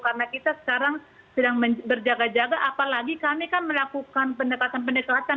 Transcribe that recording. karena kita sekarang sedang berjaga jaga apalagi kami kan melakukan pendekatan pendekatan